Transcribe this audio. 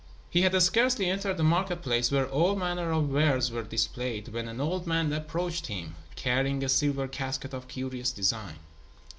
He had scarcely entered the market place, where all manner of wares were displayed, when an old man approached him, carrying a silver casket of curious design.